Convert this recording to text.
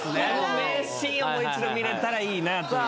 名シーンをもう一度見れたらいいなという。